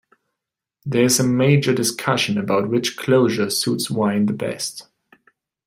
There is a major discussion about which closure suits wine the best.